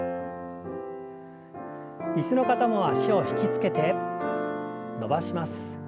椅子の方も脚を引き付けて伸ばします。